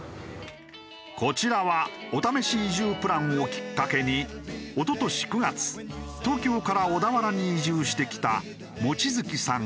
こちらはお試し移住プランをきっかけに一昨年９月東京から小田原に移住してきた望月さん